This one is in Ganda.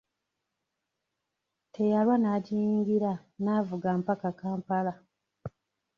Teyalwa n'agiyingira n'avuga mpaka kampala.